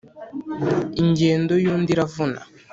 Ingendo y’undi iravuna.